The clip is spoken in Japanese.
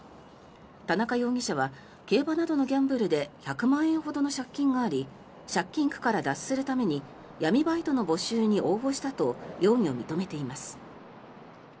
田中容疑者は競馬などのギャンブルで１００万円ほどの借金があり借金苦から脱するために闇バイトの募集に応募したと容疑を認めています。